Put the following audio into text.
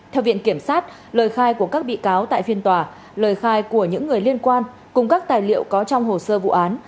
theo viện kiểm sát lời khai của các bị cáo tại phiên tòa lời khai của những người liên quan cùng các tài liệu có trong hồ sơ vụ án